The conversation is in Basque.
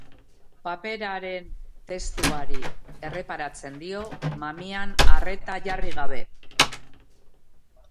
Paperaren testurari erreparatzen dio, mamian arreta jarri gabe.